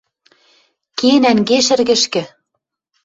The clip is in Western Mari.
Ке, нӓнге шӹргӹшкӹ!